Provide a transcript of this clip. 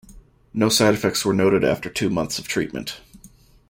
No side effects were noted after two months of treatment.